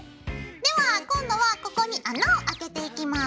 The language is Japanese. では今度はここに穴をあけていきます。